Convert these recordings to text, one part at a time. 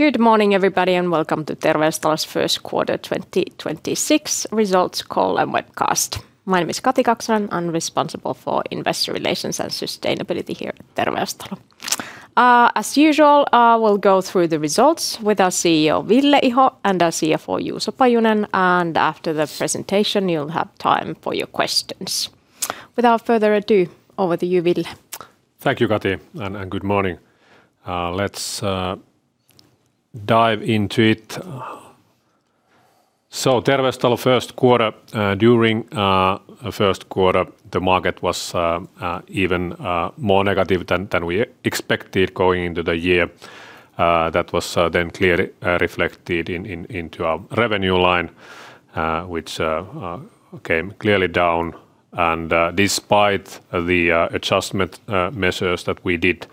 Good morning, everybody, and welcome to Terveystalo's first quarter 2026 results call and webcast. My name is Kati Kaksonen. I'm responsible for investor relations and sustainability here at Terveystalo. As usual, I will go through the results with our CEO, Ville Iho, and our CFO, Juuso Pajunen. After the presentation, you'll have time for your questions. Without further ado, over to you, Ville. Thank you, Kati, and good morning. Let's dive into it. Terveystalo first quarter. During first quarter, the market was even more negative than we expected going into the year. That was then clearly reflected into our revenue line, which came clearly down. Despite the adjustment measures that we did,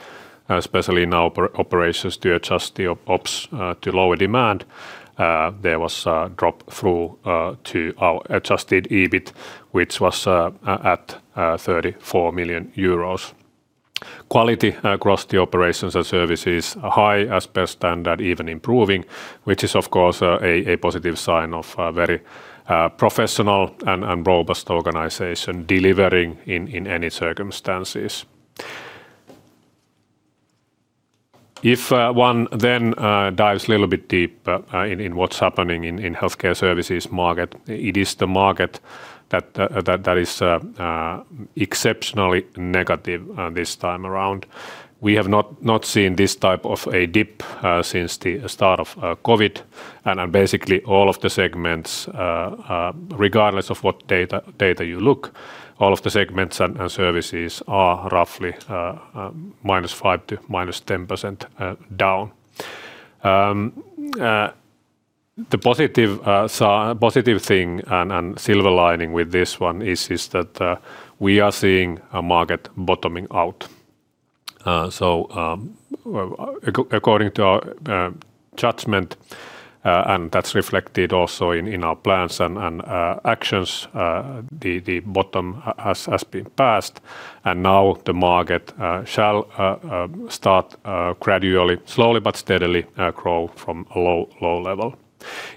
especially in our operations to adjust the ops to lower demand, there was a drop through to our adjusted EBIT, which was at 34 million euros. Quality across the operations and services are high as per standard, even improving, which is of course a positive sign of a very professional and robust organization delivering in any circumstances. If one then dives a little bit deeper in what's happening in Healthcare Services market, it is the market that is exceptionally negative this time around. We have not seen this type of a dip since the start of COVID, and basically all of the segments, regardless of what data you look, all of the segments and services are roughly -5% to -10% down. The positive thing and silver lining with this one is that we are seeing a market bottoming out. According to our judgment, and that's reflected also in our plans and actions, the bottom has been passed and now the market shall start gradually, slowly but steadily grow from a low level.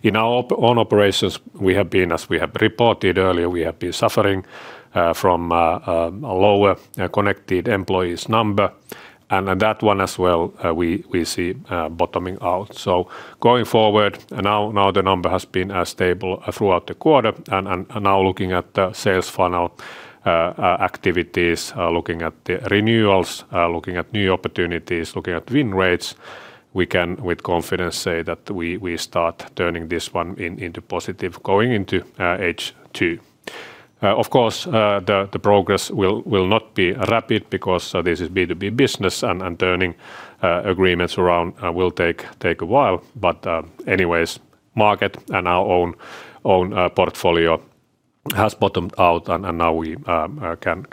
In our own operations, we have been, as we have reported earlier, we have been suffering from a lower connected employees number. That one as well, we see bottoming out. Going forward, now the number has been stable throughout the quarter and now looking at the sales funnel activities, looking at the renewals, looking at new opportunities, looking at win rates, we can with confidence say that we start turning this one into positive going into H2. Of course, the progress will not be rapid because this is B2B business and turning agreements around will take a while. Anyways, market and our own portfolio has bottomed out and now we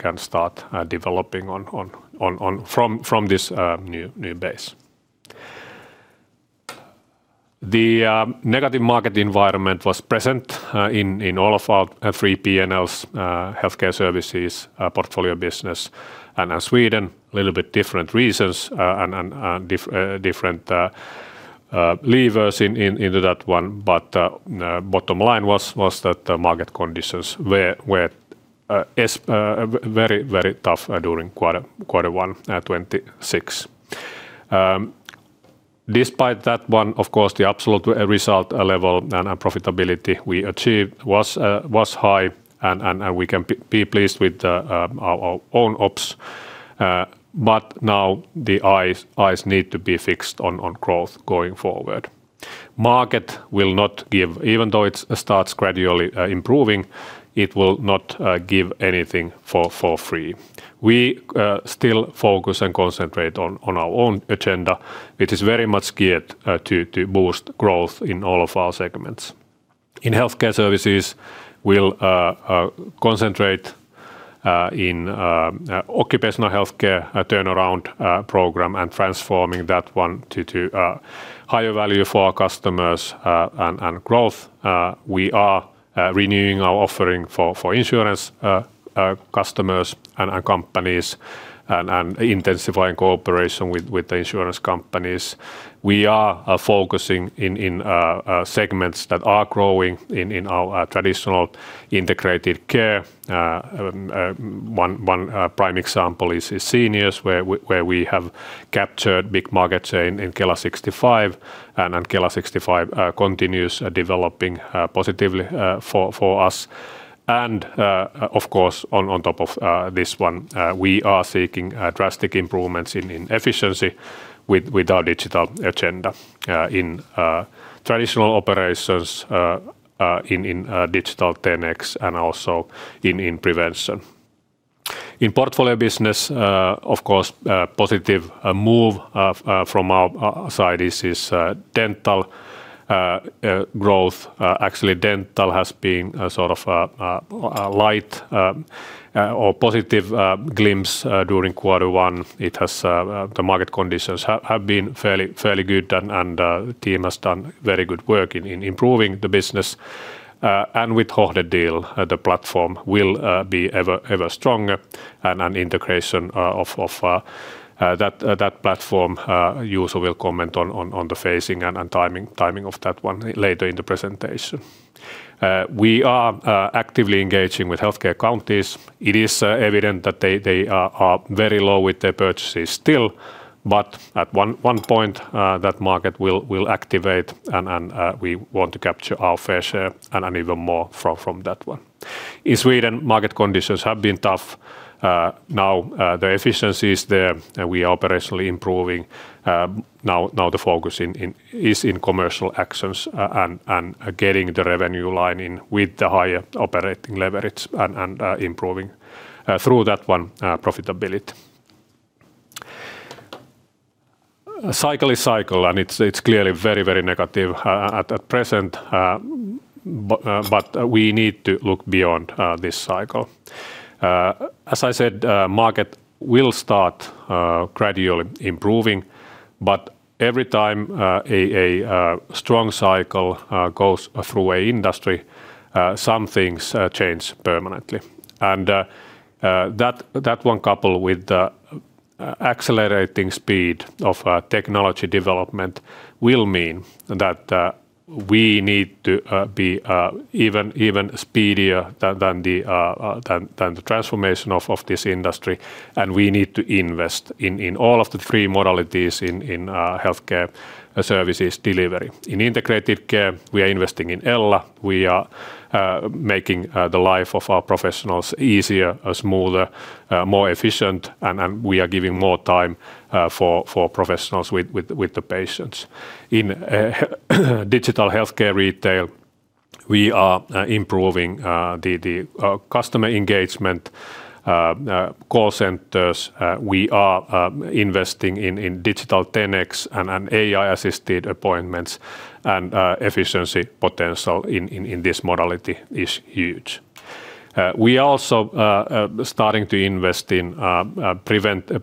can start developing from this new base. The negative market environment was present in all of our three P&Ls, Healthcare Services, Portfolio business and Sweden. Little bit different reasons and different levers into that one, but bottom line was that the market conditions were very tough during quarter one 2026. Despite that one, of course, the absolute result level and profitability we achieved was high and we can be pleased with our own ops. Now the eyes need to be fixed on growth going forward. Market will not give, even though it starts gradually improving, it will not give anything for free. We still focus and concentrate on our own agenda, which is very much geared to boost growth in all of our segments. In Healthcare Services, we'll concentrate in occupational healthcare turnaround program and transforming that one to higher value for our customers and growth. We are renewing our offering for insurance customers and companies and intensifying cooperation with the insurance companies. We are focusing in segments that are growing in our traditional integrated care. One prime example is seniors, where we have captured big market share in KELA65, and KELA65 continues developing positively for us. Of course, on top of this one, we are seeking drastic improvements in efficiency with our digital agenda in traditional operations in Digital 10x and also in prevention. In Portfolio business, of course, a positive move from our side is dental growth. Actually, dental has been a sort of a light or positive glimpse during quarter one. The market conditions have been fairly good and the team has done very good work in improving the business. With Hohde deal, the platform will be ever stronger and on the integration of that platform Juuso will comment on the phasing and timing of that one later in the presentation. We are actively engaging with healthcare counties. It is evident that they are very low with their purchases still. At one point, that market will activate and we want to capture our fair share and even more from that one. In Sweden, market conditions have been tough. Now the efficiency is there, and we are operationally improving. Now the focus is in commercial actions and getting the revenue line in with the higher operating leverage and improving, through that one, profitability. A cycle is a cycle, and it's clearly very, very negative at present, but we need to look beyond this cycle. As I said, market will start gradually improving, but every time a strong cycle goes through an industry, some things change permanently. And that one, coupled with the accelerating speed of technology development, will mean that we need to be even speedier in the transformation of this industry, and we need to invest in all of the three modalities in Healthcare Services delivery. In integrated care, we are investing in Ella. We are making the life of our professionals easier, smoother, more efficient, and we are giving more time for professionals with the patients. In digital healthcare retail, we are improving the customer engagement call centers. We are investing in Digital 10x and AI-assisted appointments. Efficiency potential in this modality is huge. We are also starting to invest in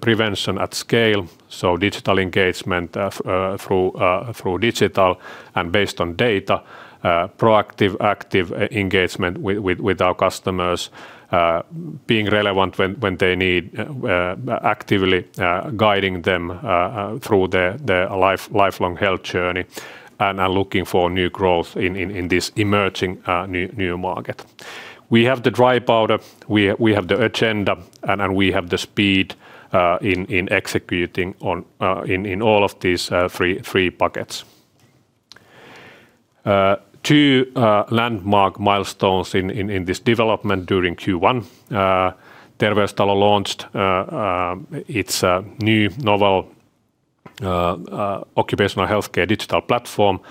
prevention at scale, so digital engagement through digital and based on data, proactive engagement with our customers, being relevant when they need, actively guiding them through their lifelong health journey, and are looking for new growth in this emerging new market. We have the dry powder, we have the agenda, and we have the speed in executing in all of these three buckets. Two landmark milestones in this development during Q1. Terveystalo launched its new novel occupational healthcare digital platform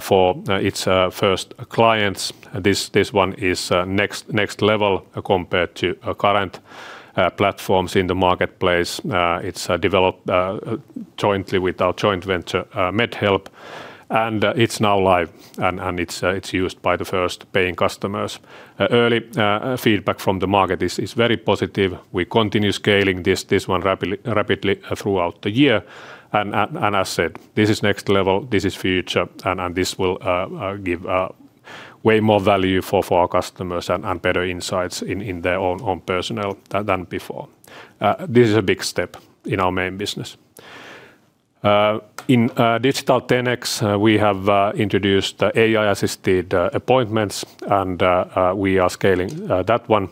for its first clients. This one is next level compared to current platforms in the marketplace. It's developed jointly with our joint venture, MedHelp, and it's now live. It's used by the first paying customers. Early feedback from the market is very positive. We continue scaling this one rapidly throughout the year. As said, this is next level. This is future, and this will give way more value for our customers and better insights in their own personnel than before. This is a big step in our main business. In Digital 10x, we have introduced AI-assisted appointments, and we are scaling that one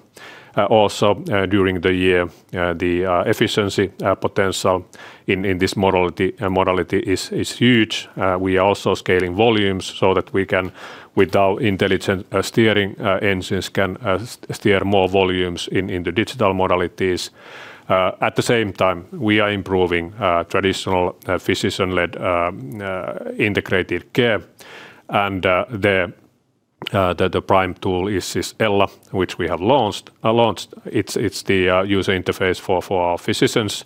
also during the year. The efficiency potential in this modality is huge. We are also scaling volumes so that our intelligent steering engines can steer more volumes in the digital modalities. At the same time, we are improving traditional physician-led integrated care, and the prime tool is this Ella, which we have launched. It's the user interface for our physicians.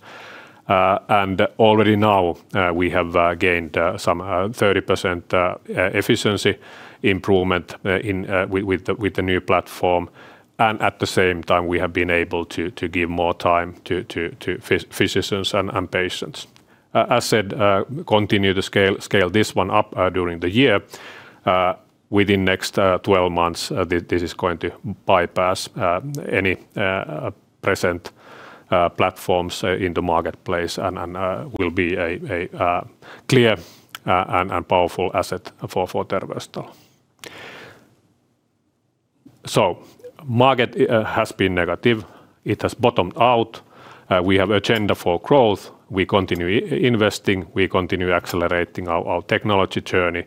Already now, we have gained some 30% efficiency improvement with the new platform. At the same time, we have been able to give more time to physicians and patients. As said, continue to scale this one up during the year. Within next 12 months, this is going to bypass any present platforms in the marketplace and will be a clear and powerful asset for Terveystalo. The market has been negative. It has bottomed out. We have agenda for growth. We continue investing. We continue accelerating our technology journey.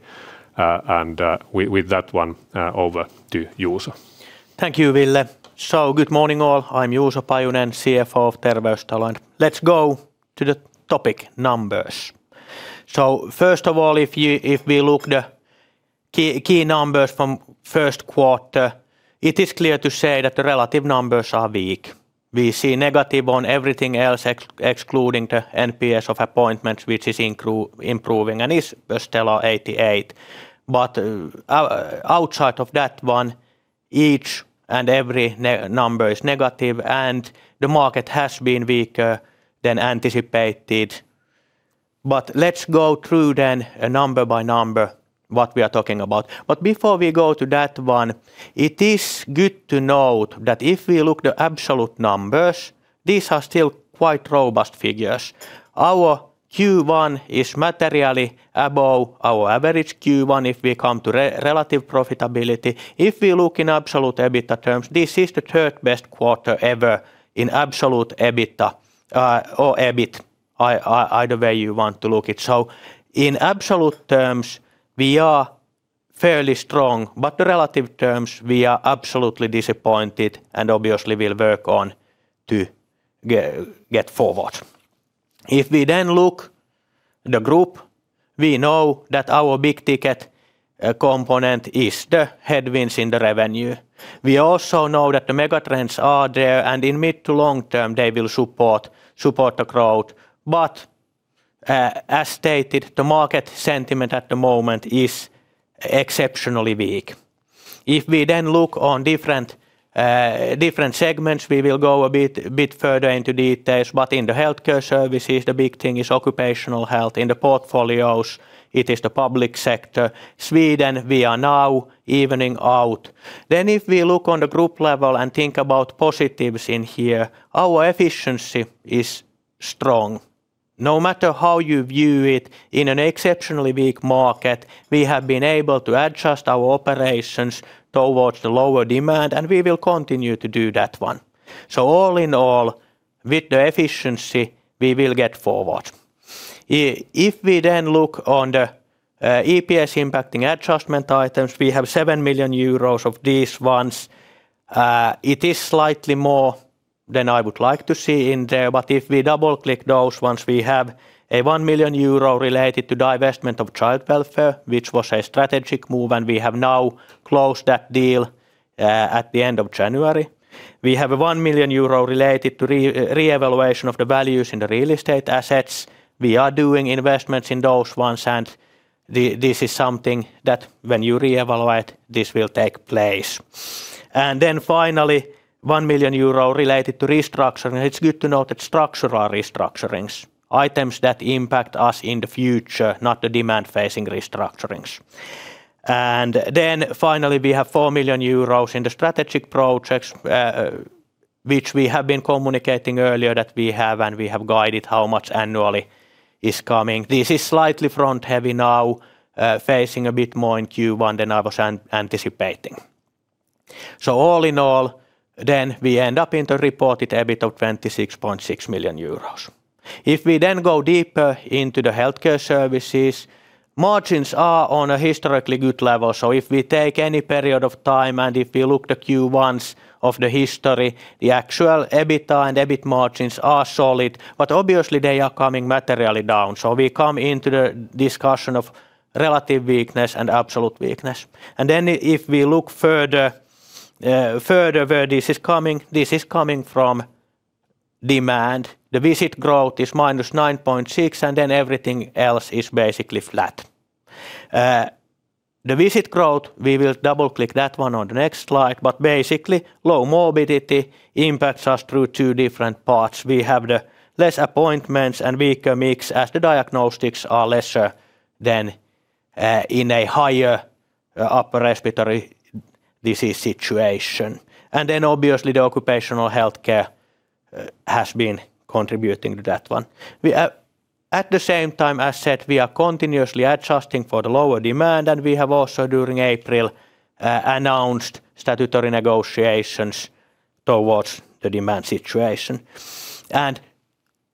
With that one, over to Juuso. Thank you, Ville. Good morning, all. I'm Juuso Pajunen, CFO of Terveystalo, and let's go to the topic, numbers. First of all, if we look at the key numbers from first quarter, it is clear to say that the relative numbers are weak. We see negative on everything else excluding the NPS of appointments, which is improving and is a stellar 88. Outside of that one, each and every number is negative, and the market has been weaker than anticipated. Let's go through then, number by number, what we are talking about. Before we go to that one, it is good to note that if we look at the absolute numbers, these are still quite robust figures. Our Q1 is materially above our average Q1 if we come to relative profitability. If we look in absolute EBITDA terms, this is the third-best quarter ever in absolute EBITDA or EBIT, either way you want to look at it. In absolute terms, we are fairly strong, but in relative terms, we are absolutely disappointed and obviously will work on getting forward. If we then look at the group, we know that our big-ticket component is the headwinds in the revenue. We also know that the megatrends are there, and in the mid to long term, they will support growth. As stated, the market sentiment at the moment is exceptionally weak. If we then look at different segments, we will go a bit further into details. In the Healthcare Services, the big thing is occupational health. In the Portfolios, it is the public sector. Sweden, we are now evening out. If we look on the group level and think about positives here, our efficiency is strong. No matter how you view it, in an exceptionally weak market, we have been able to adjust our operations towards the lower demand, and we will continue to do that one. All in all, with efficiency, we will get forward. If we then look at the EPS-impacting adjustment items, we have 7 million euros of these ones. It is slightly more than I would like to see there. But if we double-click those ones, we have 1 million euro related to the divestment of child welfare, which was a strategic move, and we have now closed that deal at the end of January. We have 1 million euro related to the reevaluation of the values in the real estate assets. We are doing investments in those ones, and this is something that when you reevaluate, this will take place. Finally, 1 million euro related to restructuring. It's good to note that structural restructurings, items that impact us in the future, not the demand-facing restructurings. Finally, we have 4 million euros in the strategic projects, which we have been communicating earlier that we have, and we have guided how much annually is coming. This is slightly front-heavy now, facing a bit more in Q1 than I was anticipating. All in all, then we end up in the reported EBIT of 26.6 million euros. If we then go deeper into the Healthcare Services, margins are on a historically good level. If we take any period of time and if we look at the Q1s of the history, the actual EBITDA and EBIT margins are solid, but obviously they are coming materially down. We come into the discussion of relative weakness and absolute weakness. If we look further, where this is coming, this is coming from demand. The visit growth is -9.6%, and then everything else is basically flat. The visit growth, we will double-click that one on the next slide, but basically, low morbidity impacts us through two different parts. We have fewer appointments and weaker mix as the diagnostics are lesser than in a higher upper respiratory disease situation. Obviously, the occupational healthcare has been contributing to that one. At the same time, as said, we are continuously adjusting for the lower demand, and we have also, during April, announced statutory negotiations towards the demand situation.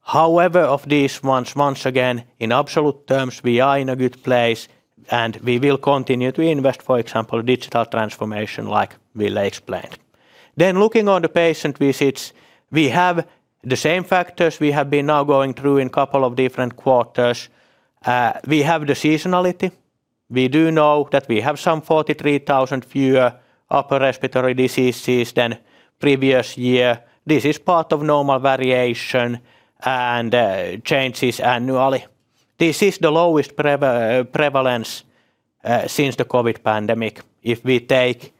However, of these ones, once again, in absolute terms, we are in a good place and we will continue to invest, for example, in digital transformation, like Ville explained. Looking at the patient visits, we have the same factors we have been now going through in a couple of different quarters. We have the seasonality. We do know that we have some 43,000 fewer upper respiratory diseases than the previous year. This is part of normal variation and changes annually. This is the lowest prevalence since the COVID pandemic, if we take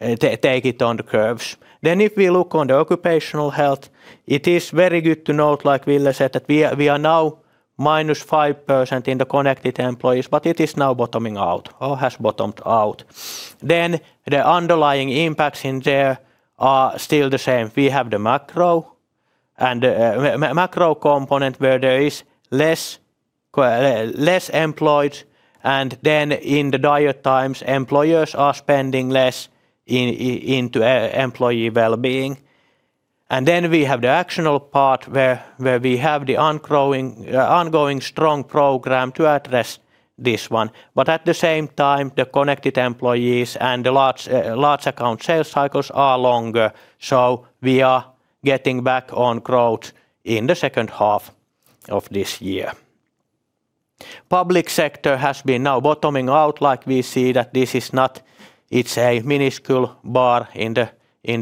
it on the curves. If we look at the occupational health, it is very good to note, like Ville said, that we are now -5% in the connected employees, but it is now bottoming out or has bottomed out. The underlying impacts in there are still the same. We have the macro component, where there are less employed, and then in the dire times, employers are spending less on employee well-being. We have the actionable part, where we have the ongoing strong program to address this one. At the same time, the connected employees and the large account sales cycles are longer, so we are getting back on growth in the second half of this year. Public sector has been now bottoming out. We see that this is a minuscule bar in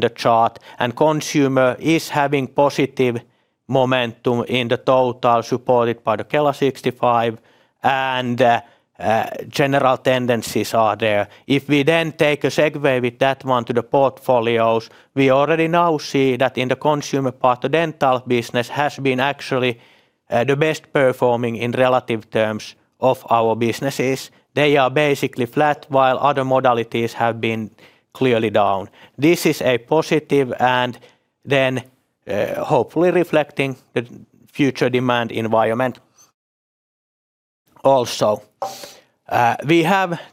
the chart. Consumer is having positive momentum in the total, supported by the KELA65, and general tendencies are there. If we then take a segue with that one to the Portfolios, we already now see that in the consumer part, the dental business has been actually the best performing in relative terms of our businesses. They are basically flat, while other modalities have been clearly down. This is positive and then hopefully reflecting the future demand environment. Also, it's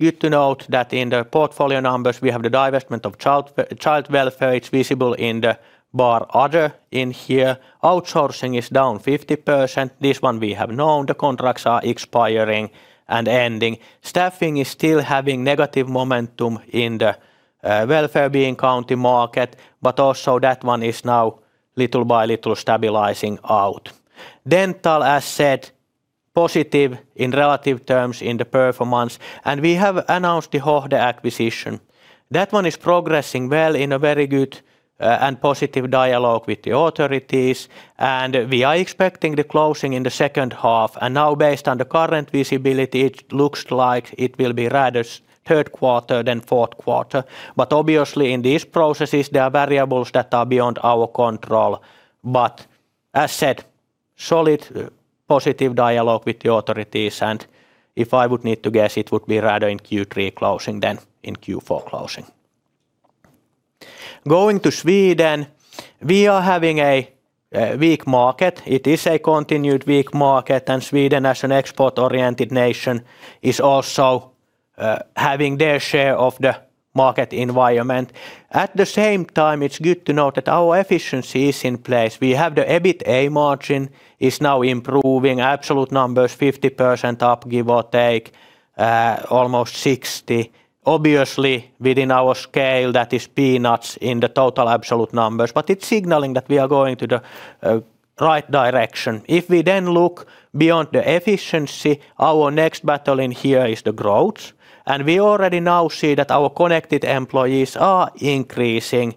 good to note that in the Portfolio numbers, we have the divestment of child welfare. It's visible in the bar, other in here. Outsourcing is down 50%. This one we have known, the contracts are expiring and ending. Staffing is still having negative momentum in the welfare business in the county market, but also that one is now little by little stabilizing out. Dental, as said, positive in relative terms in the performance. We have announced the Hohde acquisition. That one is progressing well in a very good and positive dialogue with the authorities, and we are expecting the closing in the second half. Now based on the current visibility, it looks like it will be rather third quarter than fourth quarter. Obviously in these processes, there are variables that are beyond our control. As said, solid positive dialogue with the authorities, and if I would need to guess, it would be rather in Q3 closing than in Q4 closing. Going to Sweden, we are having a weak market. It is a continued weak market, and Sweden, as an export-oriented nation, is also having their share of the macro environment. At the same time, it's good to note that our efficiency is in place. We have the EBITDA margin is now improving absolute numbers 50% up, give or take, almost 60%. Obviously, within our scale, that is peanuts in the total absolute numbers, but it's signaling that we are going to the right direction. If we then look beyond the efficiency, our next battle in here is the growth. We already now see that our connected employees are increasing.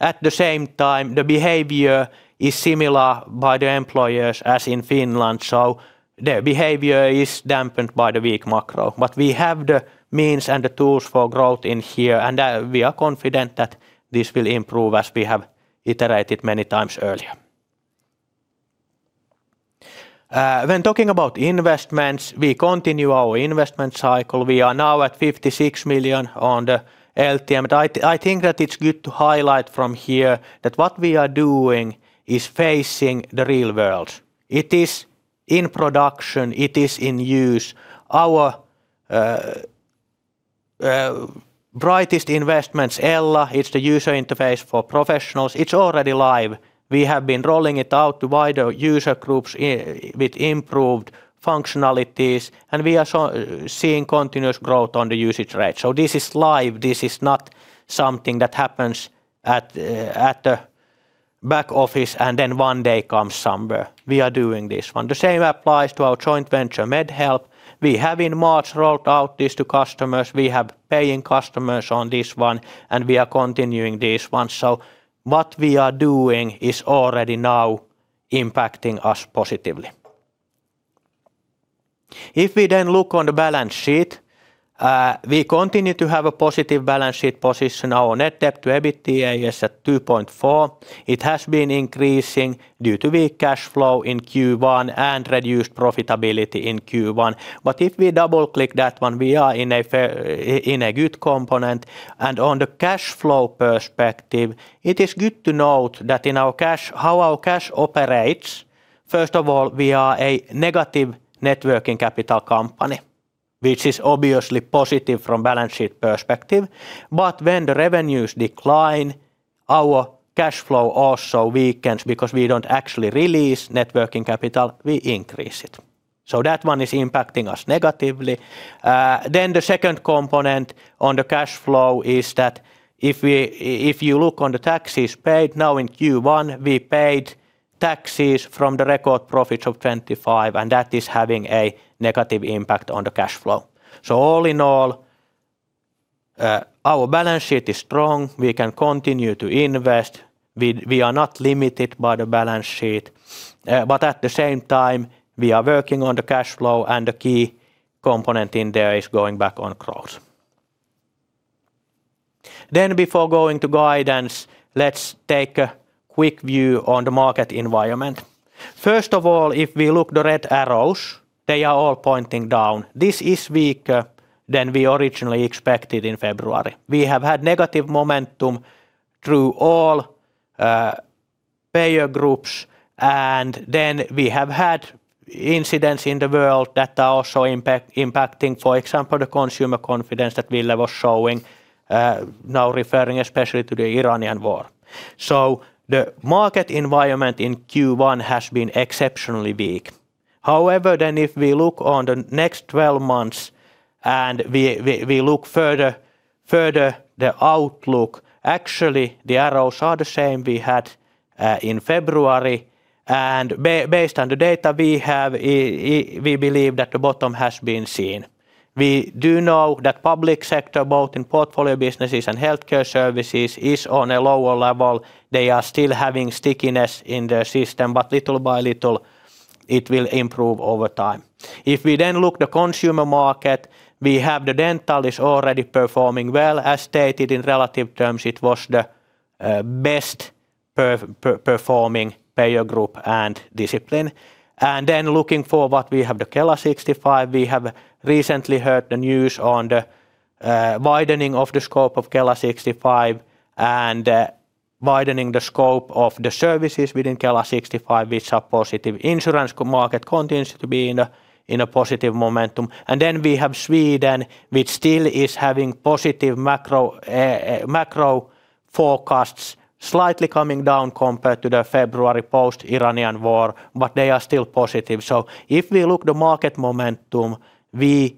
At the same time, the behavior is similar by the employers as in Finland, so their behavior is dampened by the weak macro. We have the means and the tools for growth in here, and we are confident that this will improve as we have iterated many times earlier. When talking about investments, we continue our investment cycle. We are now at 56 million on the LTM. I think that it's good to highlight from here that what we are doing is facing the real world. It is in production. It is in use. Our brightest investments, Ella, it's the user interface for professionals. It's already live. We have been rolling it out to wider user groups with improved functionalities, and we are seeing continuous growth on the usage rate. This is live. This is not something that happens at the back office and then one day comes somewhere. We are doing this one. The same applies to our joint venture, MedHelp. We have in March rolled out this to customers. We have paying customers on this one, and we are continuing this one. What we are doing is already now impacting us positively. If we then look on the balance sheet, we continue to have a positive balance sheet position. Our net debt to EBITDA is at 2.4x. It has been increasing due to weak cash flow in Q1 and reduced profitability in Q1. If we double-click that one, we are in a good component. On the cash flow perspective, it is good to note that how our cash operates. First of all, we are a negative working capital company, which is obviously positive from balance sheet perspective. When the revenues decline, our cash flow also weakens because we don't actually release working capital, we increase it. That one is impacting us negatively. The second component on the cash flow is that if you look on the taxes paid now in Q1, we paid taxes from the record profits of 2025, and that is having a negative impact on the cash flow. All in all, our balance sheet is strong. We can continue to invest. We are not limited by the balance sheet, but at the same time, we are working on the cash flow. And the key component in there is going back on growth. Then before going to guidance, let's take a quick view on the market environment. First of all, if we look at the red arrows, they are all pointing down. This is weaker than we originally expected in February. We have had negative momentum through all payer groups, and then we have had incidents in the world that are also impacting, for example, the consumer confidence that Ville was showing, now referring especially to the Iranian war. The market environment in Q1 has been exceptionally weak. However, if we look at the next 12 months and we look further at the outlook, actually, the arrows are the same as we had in February. Based on the data we have, we believe that the bottom has been seen. We do know that public sector, both Portfolio businesses and Healthcare Services, is on a lower level. They are still having stickiness in the system, but little by little, it will improve over time. If we then look the consumer market, we have the dental is already performing well. As stated in relative terms, it was the best-performing payer group and discipline. Looking forward, we have the KELA65. We have recently heard the news on the widening of the scope of KELA65 and widening the scope of the services within KELA65, which are positive. Insurance market continues to be in a positive momentum. We have Sweden, which still is having positive macro forecasts, slightly coming down compared to the February post-Iranian war, but they are still positive. If we look at the market momentum, we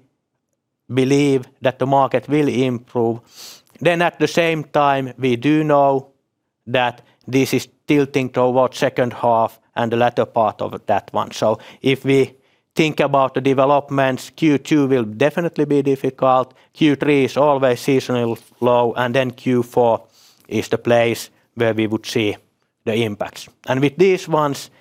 believe that the market will improve. At the same time, we do know that this is tilting toward second half and the latter part of that one. If we think about the developments, Q2 will definitely be difficult. Q3 is always seasonally low, and then Q4 is the place where we would see the impacts. With these ones,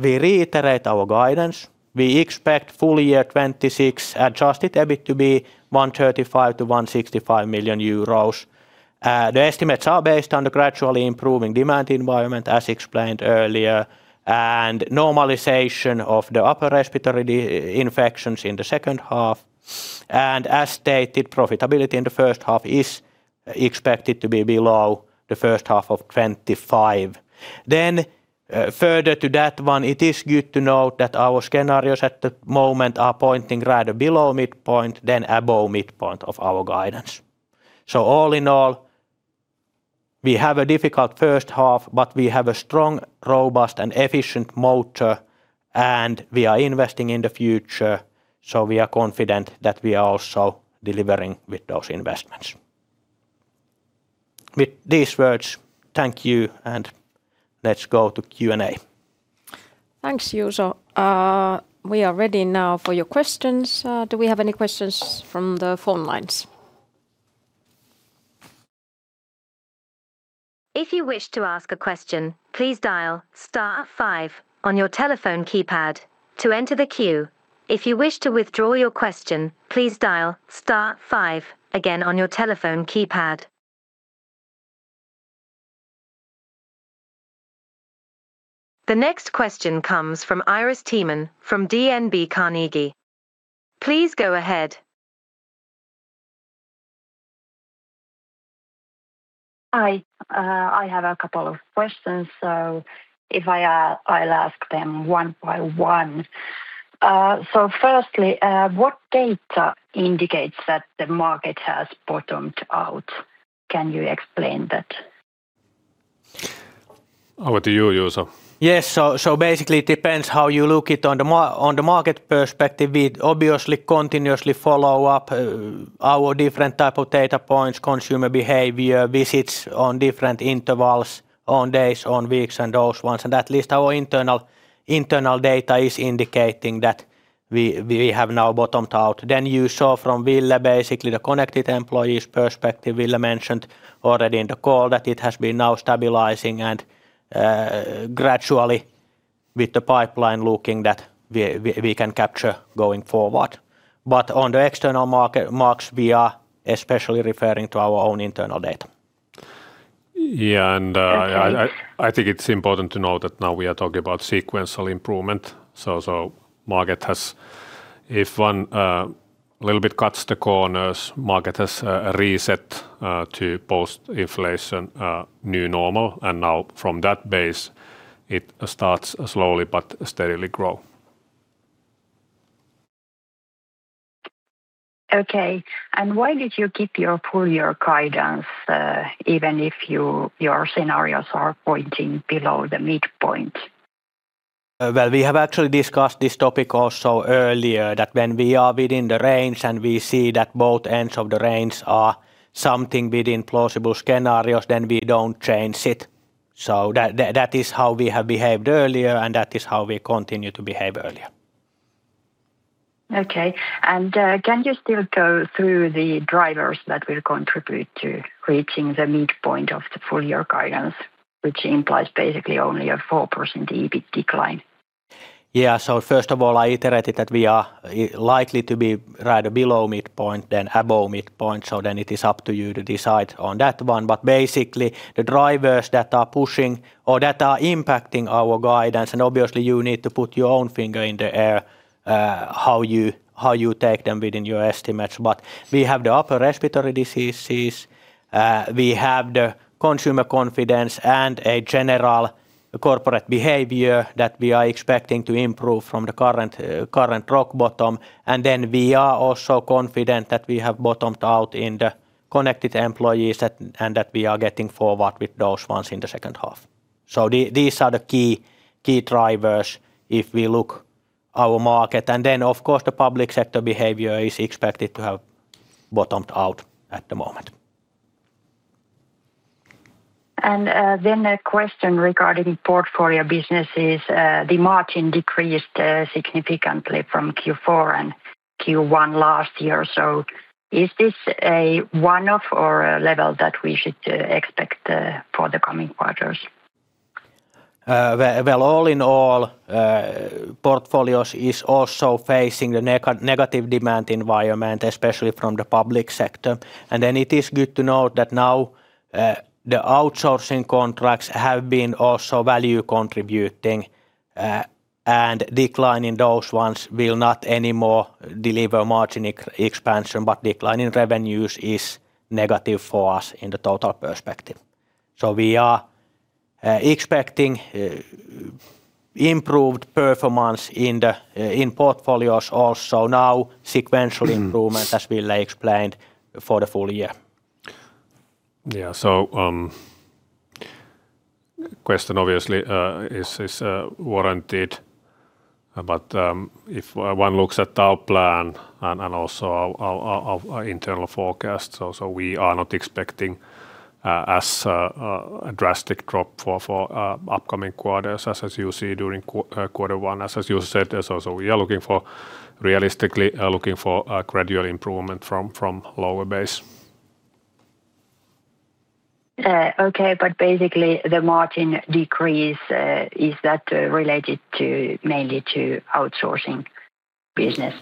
we reiterate our guidance. We expect full year 2026 adjusted EBIT to be 135 million-165 million euros. The estimates are based on the gradually improving demand environment, as explained earlier, and normalization of the upper respiratory infections in the second half. As stated, profitability in the first half is expected to be below the first half of 2025. Further to that one, it is good to note that our scenarios at the moment are pointing rather below midpoint than above midpoint of our guidance. All in all, we have a difficult first half, but we have a strong, robust, and efficient motor, and we are investing in the future, so we are confident that we are also delivering with those investments. With these words, thank you, and let's go to Q&A. Thanks, Juuso. We are ready now for your questions. Do we have any questions from the phone lines? If you wish to ask a question please dial star five on your telephone keypad to enter the queue. If you wish to withdraw your question please dial star five again on your telephone keypad. The next question comes from Iiris Theman from DNB Carnegie. Please go ahead. Hi. I have a couple of questions, so I'll ask them one by one. Firstly, what data indicates that the market has bottomed out? Can you explain that? Over to you, Juuso. Yes. Basically, it depends how you look at it from the market perspective. We obviously continuously follow up our different type of data points, consumer behavior, visits on different intervals, on days, on weeks, and those ones. At least our internal data is indicating that we have now bottomed out. You saw from Ville, basically, the connected employees perspective. Ville mentioned already in the call that it has been now stabilizing and gradually with the pipeline looking that we can capture going forward. On the external markets, we are especially referring to our own internal data. Yeah, I think it's important to note that now we are talking about sequential improvement, so market has a fun—little bit cuts the corners. Market has reset to post-inflation new normal. Now from that base, it starts slowly but steadily grow. Okay. Why did you keep your full year guidance, even if your scenarios are pointing below the midpoint? Well, we have actually discussed this topic also earlier, that when we are within the range and we see that both ends of the range are something within plausible scenarios, then we don't change it. That is how we have behaved earlier, and that is how we continue to behave earlier. Okay. Can you still go through the drivers that will contribute to reaching the midpoint of the full year guidance, which implies basically only a 4% EBIT decline? Yeah. First of all, I iterated that we are likely to be right below midpoint than above midpoint, so then it is up to you to decide on that one. Basically, the drivers that are pushing or that are impacting our guidance, and obviously you need to put your own finger in the air, how you take them within your estimates. We have the upper respiratory diseases, we have the consumer confidence, and a general corporate behavior that we are expecting to improve from the current rock bottom. We are also confident that we have bottomed out in the connected employees and that we are getting forward with those ones in the second half. These are the key drivers if we look at our market. Of course, the public sector behavior is expected to have bottomed out at the moment. A question Portfolio businesses. the margin decreased significantly from Q4 and Q1 last year. Is this a one-off or a level that we should expect for the coming quarters? Well, all in all, Portfolios is also facing the negative demand environment, especially from the public sector. It is good to note that now. The outsourcing contracts have been also value contributing, and decline in those ones will not anymore deliver margin expansion, but decline in revenues is negative for us in the total perspective. We are expecting improved performance in Portfolios also now, sequential improvement, as Ville explained, for the full year. Yeah. Question obviously is warranted. If one looks at our plan and also our internal forecast, so we are not expecting as drastic drop for upcoming quarters as you see during quarter one, as you said. We are realistically looking for a gradual improvement from lower base. Okay. Basically, the margin decrease, is that related mainly to outsourcing business?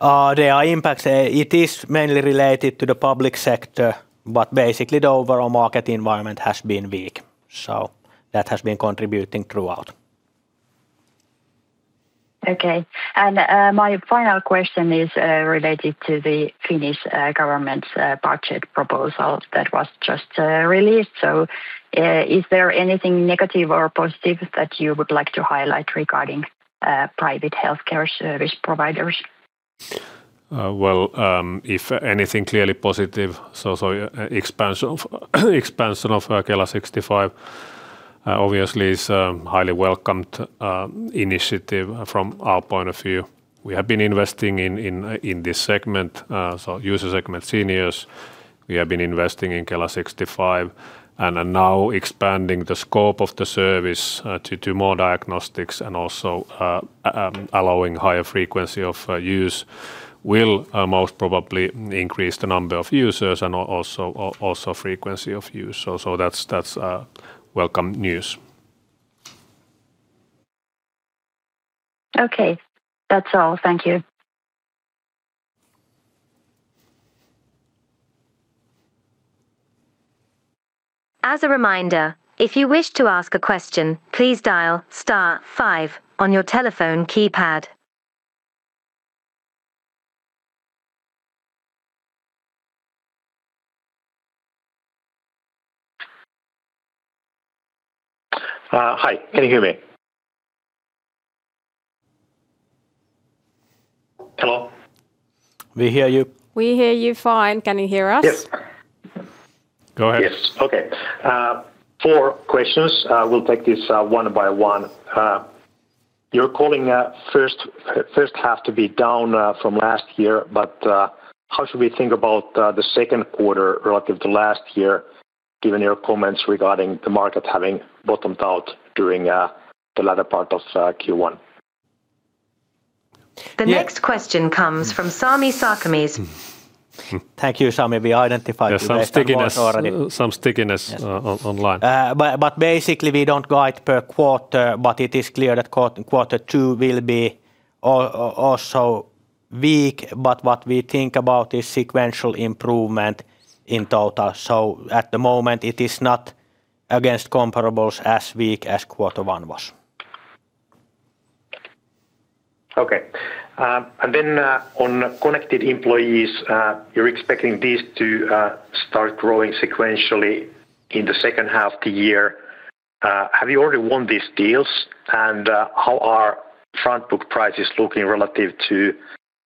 There are impacts. It is mainly related to the public sector, but basically the overall market environment has been weak, so that has been contributing throughout. Okay. My final question is related to the Finnish government's budget proposal that was just released. Is there anything negative or positive that you would like to highlight regarding private healthcare service providers? Well, if anything clearly positive, expansion of KELA65 obviously is a highly welcomed initiative from our point of view. We have been investing in this segment, so user segment seniors, we have been investing in KELA65. Are now expanding the scope of the service to do more diagnostics and also allowing higher frequency of use will most probably increase the number of users and also frequency of use. That's welcome news. Okay. That's all. Thank you. As a reminder, if you wish to ask a question, please dial star five on your telephone keypad. Hi, can you hear me? Hello? We hear you. We hear you fine. Can you hear us? Yes. Go ahead. Yes. Okay. Four questions. We'll take this one by one. You're calling first half to be down from last year, but how should we think about the second quarter relative to last year, given your comments regarding the market having bottomed out during the latter part of Q1? The next question comes from Sami Sarkamies. Thank you, Sami. We identified you based on voice already. Some stickiness online. Basically we don't guide per quarter. It is clear that quarter two will be also weak. What we think about is sequential improvement in total. At the moment it is not against comparables as weak as quarter one was. Okay. On connected employees, you're expecting these to start growing sequentially in the second half of the year. Have you already won these deals? How are front book prices looking relative to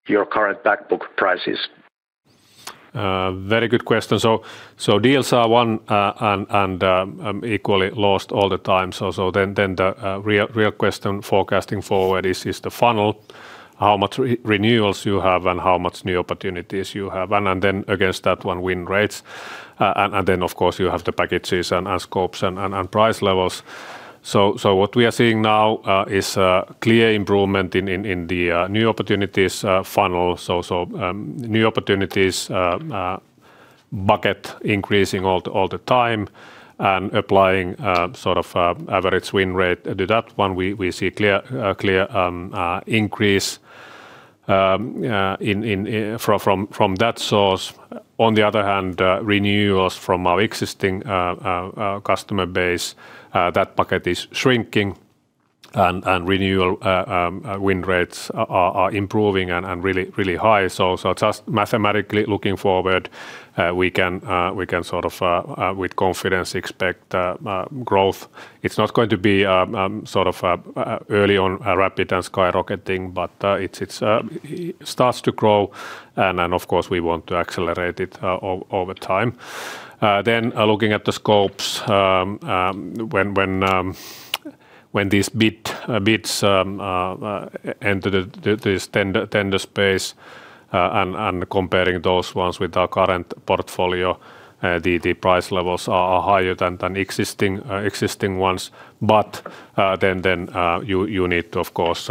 your current back book prices? Very good question. Deals are won and equally lost all the time. The real question forecasting forward is the funnel, how much renewals you have and how much new opportunities you have, and then against that one, win rates. Of course you have the packages and scopes and price levels. What we are seeing now is a clear improvement in the new opportunities funnel. New opportunities bucket increasing all the time and applying sort of average win rate to that one. We see a clear increase from that source. On the other hand, renewals from our existing customer base, that bucket is shrinking and renewal win rates are improving and really high. Just mathematically looking forward, we can sort of with confidence expect growth. It's not going to be early on rapid and skyrocketing, but it starts to grow, and then of course we want to accelerate it over time. Looking at the scopes, when these bids enter this tender space and comparing those ones with our current Portfolio, the price levels are higher than existing ones. You need to of course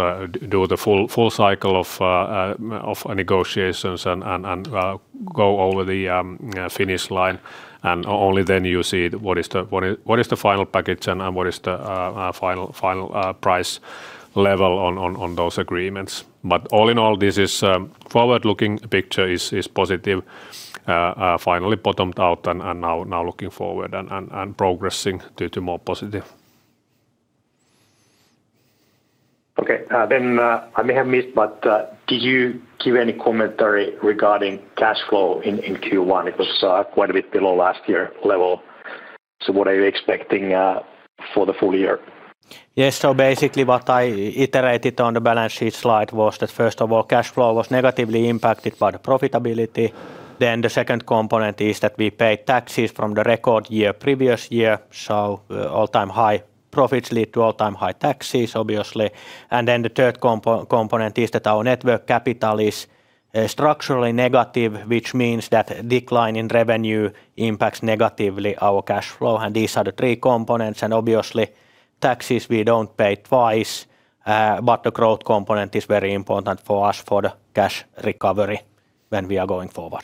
do the full cycle of negotiations and go over the finish line, and only then you see what is the final package and what is the final price level on those agreements. All in all, this is forward-looking picture is positive, finally bottomed out and now looking forward and progressing due to more positive. Okay. I may have missed, but did you give any commentary regarding cash flow in Q1? It was quite a bit below last year level. What are you expecting for the full year? Yes. Basically what I iterated on the balance sheet slide was that, first of all, cash flow was negatively impacted by the profitability. The second component is that we paid taxes from the record year, previous year. All-time high profits lead to all-time high taxes, obviously. The third component is that our working capital is structurally negative, which means that decline in revenue impacts negatively our cash flow. These are the three components, and obviously, taxes we don't pay twice. The growth component is very important for us for the cash recovery when we are going forward.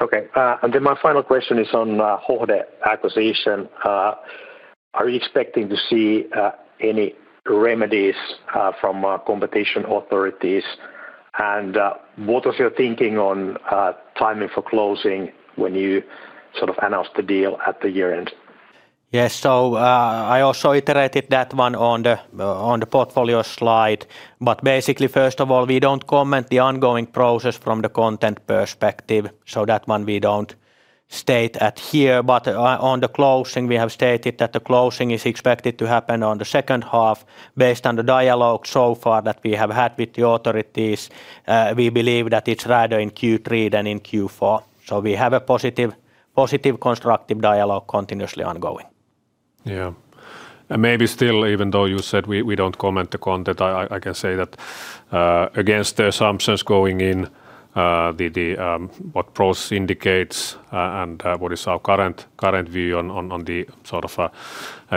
Okay. My final question is on Hohde acquisition. Are you expecting to see any remedies from competition authorities? What was your thinking on timing for closing when you announced the deal at the year-end? Yes. I also iterated that one on the Portfolio slide. Basically, first of all, we don't comment the ongoing process from the content perspective, so that one we don't state it here. On the closing, we have stated that the closing is expected to happen in the second half based on the dialogue so far that we have had with the authorities. We believe that it's rather in Q3 than in Q4. We have a positive, constructive dialogue continuously ongoing. Yeah. Maybe still, even though you said we don't comment the content, I can say that against the assumptions going in, what process indicates and what is our current view on the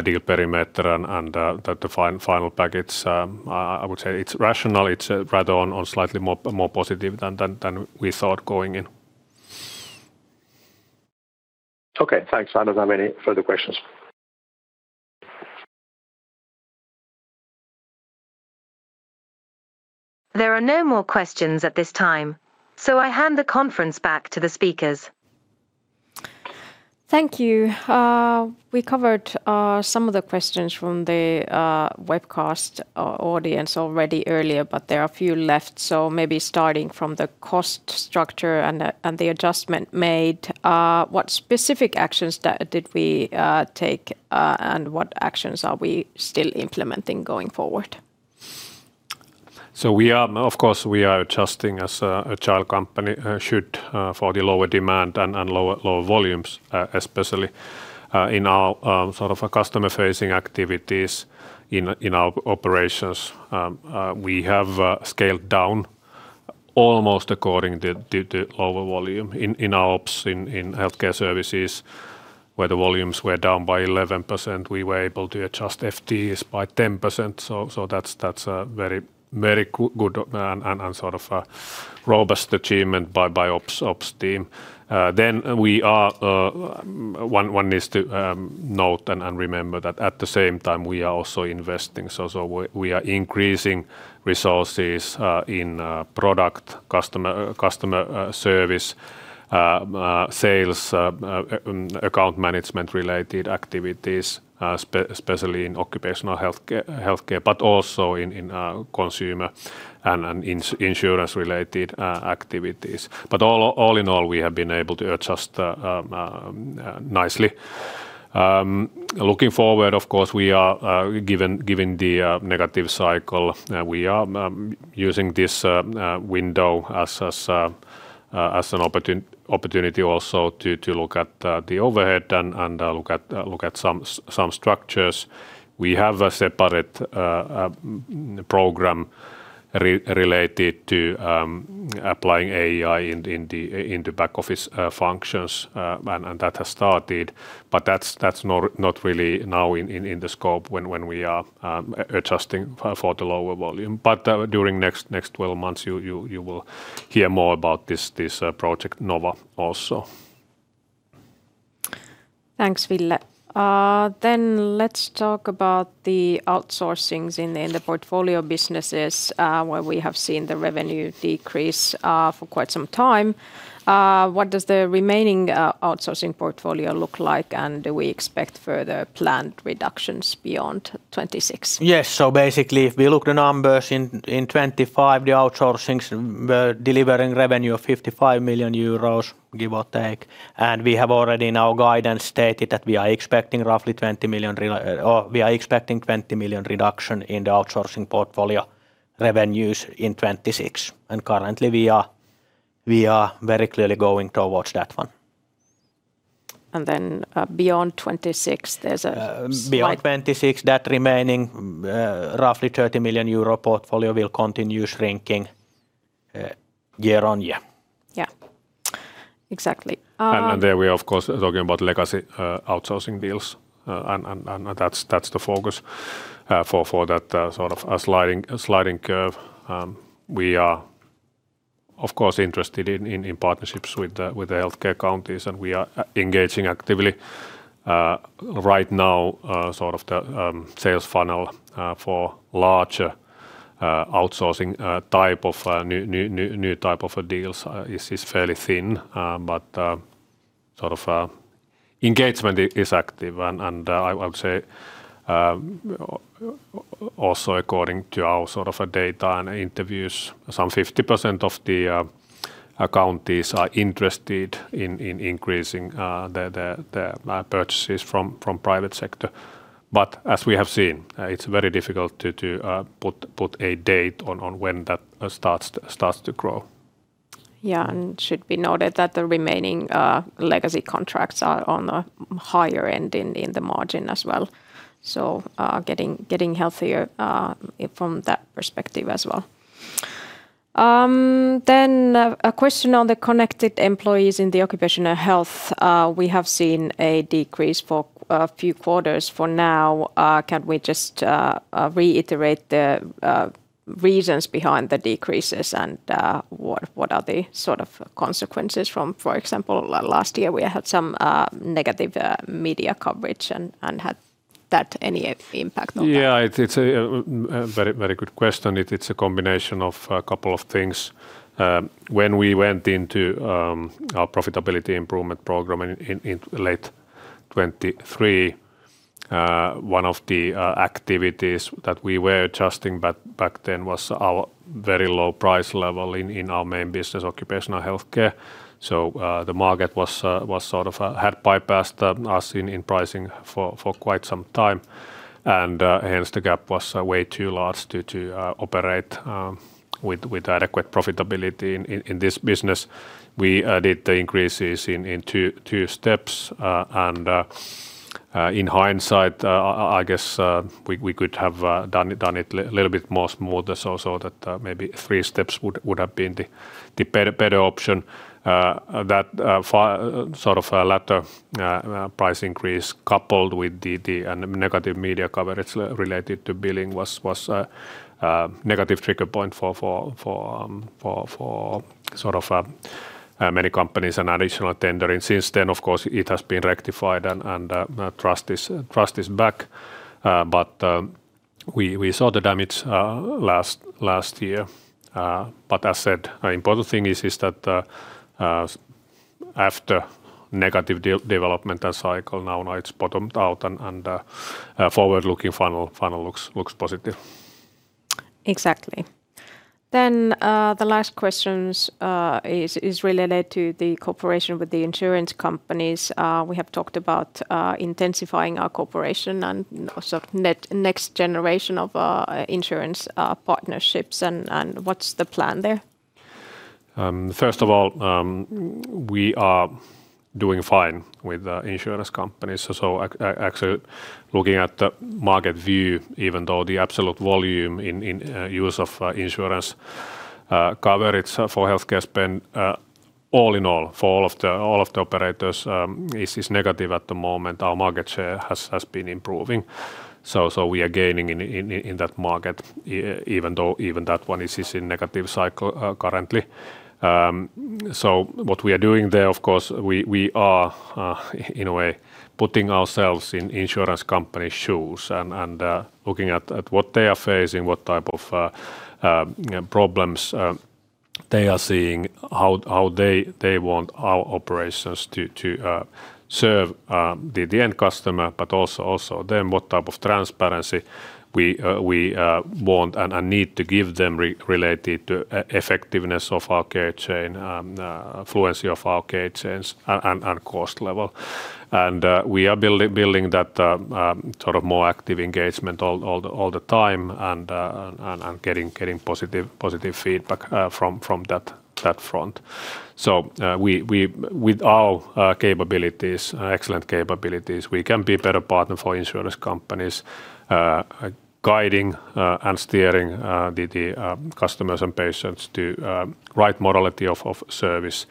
deal perimeter, and that the final package, I would say it's rational. It's rather on slightly more positive than we thought going in. Okay, thanks. I don't have any further questions. There are no more questions at this time, so I hand the conference back to the speakers. Thank you. We covered some of the questions from the webcast audience already earlier, but there are a few left. Maybe starting from the cost structure and the adjustment made. What specific actions did we take, and what actions are we still implementing going forward? We are, of course, adjusting as a challenged company should for the lower demand and lower volumes, especially in our customer-facing activities in our operations. We have scaled down almost according to lower volume in our ops, in Healthcare Services, where the volumes were down by 11%, we were able to adjust FTEs by 10%. That's a very good and sort of a robust achievement by ops team. One needs to note and remember that at the same time, we are also investing. We are increasing resources in product, customer service, sales, account management-related activities, especially in occupational healthcare. But also in consumer and insurance-related activities. But all in all, we have been able to adjust nicely. Looking forward, of course, given the negative cycle, we are using this window as an opportunity also to look at the overhead and look at some structures. We have a separate program related to applying AI in the back office functions, and that has started. That's not really now in the scope when we are adjusting for the lower volume. During next 12 months, you will hear more about this Project Nova also. Thanks, Ville. Let's talk about the outsourcings in Portfolio businesses, where we have seen the revenue decrease for quite some time. What does the remaining outsourcing portfolio look like, and do we expect further planned reductions beyond 2026? Yes. Basically, if we look the numbers in 2025, the outsourcings were delivering revenue of 55 million euros, give or take. We have already in our guidance stated that we are expecting 20 million reduction in the outsourcing portfolio revenues in 2026. Currently, we are very clearly going towards that one. Beyond 2026, there's a slight. Beyond 2026, that remaining roughly 30 million euro portfolio will continue shrinking year-on-year. Yeah. Exactly. There we are, of course, talking about legacy outsourcing deals, and that's the focus for that sliding curve. We are, of course, interested in partnerships with the healthcare counties, and we are engaging actively. Right now, the sales funnel for larger outsourcing type of new type of deals is fairly thin. Sort of engagement is active and I would say also according to our data and interviews, some 50% of the counties are interested in increasing their purchases from private sector. As we have seen, it's very difficult to put a date on when that starts to grow. Yeah. It should be noted that the remaining legacy contracts are on a higher end in the margin as well. Getting healthier from that perspective as well. A question on the connected employees in the occupational health. We have seen a decrease for a few quarters for now. Can we just reiterate the reasons behind the decreases and what are the sort of consequences from, for example, last year we had some negative media coverage and had that any impact on that? Yeah. It's a very good question. It's a combination of a couple of things. When we went into our profitability improvement program in late 2023, one of the activities that we were adjusting back then was our very low price level in our main business, occupational healthcare. The market had bypassed us in pricing for quite some time. Hence, the gap was way too large to operate with adequate profitability in this business. We did the increases in two steps. In hindsight, I guess, we could have done it little bit more smoother so that maybe three steps would have been the better option. That latter price increase coupled with the negative media coverage related to billing was a negative trigger point for many companies and additional tendering. Since then, of course, it has been rectified and trust is back. We saw the damage last year. As said, important thing is that after negative development and cycle, now it's bottomed out and forward-looking funnel looks positive. Exactly. The last questions is related to the cooperation with the insurance companies. We have talked about intensifying our cooperation and also next generation of insurance partnerships and what's the plan there? First of all, we are doing fine with insurance companies. Actually looking at the market view, even though the absolute volume in use of insurance coverage for healthcare spend, all in all, for all of the operators, is negative at the moment. Our market share has been improving. We are gaining in that market even though that one is in negative cycle currently. What we are doing there, of course, we are in a way putting ourselves in insurance company shoes and looking at what they are facing, what type of problems they are seeing, how they want our operations to serve the end customer, but also then what type of transparency we want and need to give them related to effectiveness of our care chain, fluency of our care chains, and cost level. We are building that more active engagement all the time and getting positive feedback from that front. With our excellent capabilities, we can be a better partner for insurance companies, guiding and steering the customers and patients to right modality of service,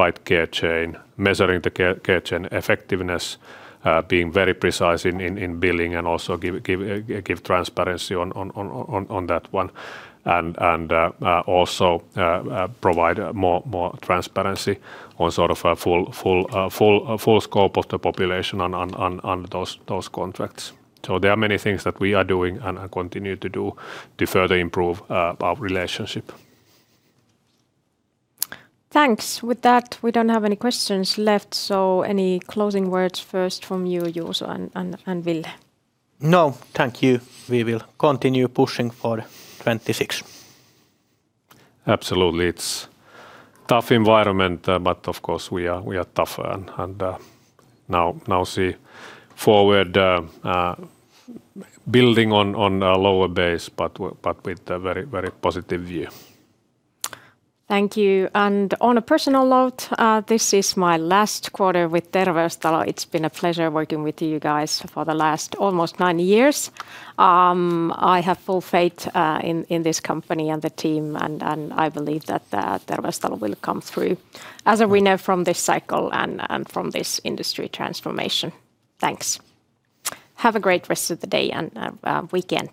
right care chain, measuring the care chain effectiveness, being very precise in billing and also give transparency on that one. Also provide more transparency on full scope of the population on those contracts. There are many things that we are doing and continue to do to further improve our relationship. Thanks. With that, we don't have any questions left. Any closing words first from you, Juuso and Ville? No. Thank you. We will continue pushing for 2026. Absolutely. It's a tough environment, but of course, we are tougher and now, looking forward, building on a lower base, but with a very positive view. Thank you. On a personal note, this is my last quarter with Terveystalo. It's been a pleasure working with you guys for the last almost nine years. I have full faith in this company and the team, and I believe that Terveystalo will come through as a winner from this cycle and from this industry transformation. Thanks. Have a great rest of the day and weekend.